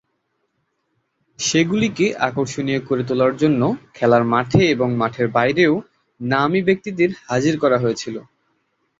সে গুলিকে আকর্ষণীয় করে তোলার জন্য খেলার মাঠে এবং মাঠের বাইরেও নামী ব্যক্তিদের হাজির করা হয়েছিল।